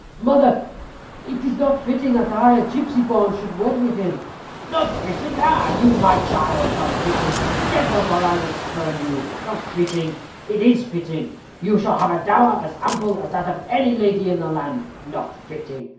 "Mother, it is not fitting that I, a gipsy born, should wed with him." "Not fitting! Ha! and you my child! Not fitting! Get up, or I will spurn you. Not fitting! This from you to me! I tell you it is fitting; you shall have a dower as ample as that of any lady in the land. Not fitting!